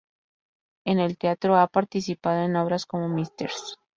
En el teatro ha participado en obras como "Mrs.